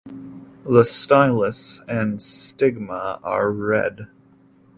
The stylus and stigma are red.